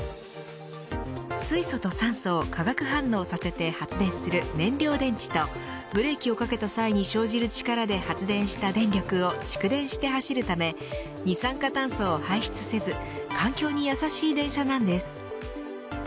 水素と酸素を化学反応させて発電する燃料電池とブレーキをかけた際に生じる力で発電した電力を蓄電して走るため二酸化炭素を排出せず環境にやさしい電車なんです。